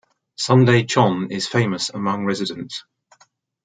Sundae chon is famous among residents.